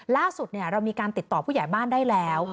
ล่าสุดเรามีการติดต่อผู้ใหญ่บ้านได้แล้ว